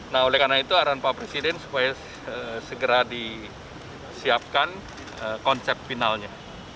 nah oleh karena itu arahan pak presiden supaya segera disiapkan konsep finalnya